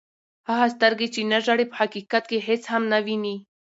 هغه سترګي، چي نه ژاړي په حقیقت کښي هيڅ هم نه ويني.